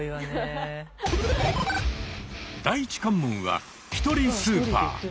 第一関門は「ひとりスーパー」！